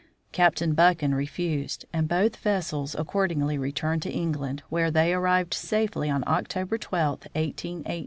Captain Buchan refused, and both vessels accord ingly returned to England, where they arrived safely on October 12, 18 18.